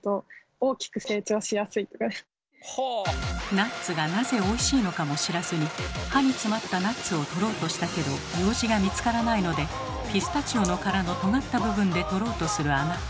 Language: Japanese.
ナッツがなぜおいしいのかも知らずに歯に詰まったナッツを取ろうとしたけどようじが見つからないのでピスタチオの殻のとがった部分で取ろうとするあなた。